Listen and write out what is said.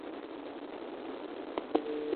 大家要看清楚。